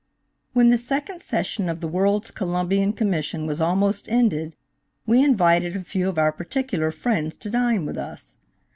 WHEN the second session of the World's Columbian Commission was almost ended we invited a few of our particular friends to dine with us.